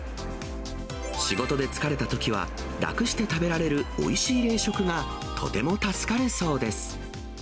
仕事で疲れたときは、楽して食べられるおいしい冷食がとても助かるそうです。